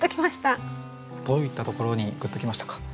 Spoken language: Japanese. どういったところにグッときましたか？